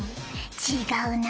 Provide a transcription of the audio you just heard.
違うなあ。